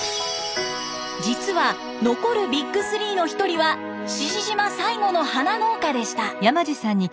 実は残るＢＩＧ３の一人は志々島最後の花農家でした。